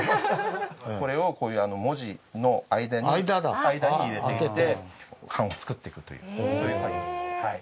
これをこういう文字の間に入れていって版を作っていくというそういう作業です。